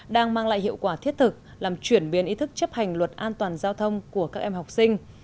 đang mang lại hiệu quả thiết thực làm chuyển biến ý thức chấp hành luật an toàn giao thông của các em học sinh